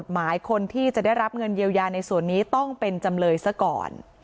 หมายคนที่จะได้รับเงินเยียวยาในส่วนนี้ต้องเป็นจำเลยซะก่อน